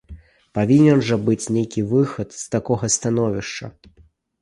Павінен жа быць нейкі выхад з такога становішча.